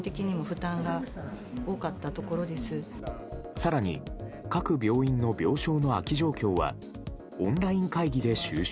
更に、各病院の病床空き状況はオンライン会議で収集。